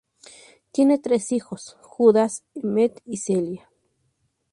Tienen tres hijos, Judas, Emmet, y Celia.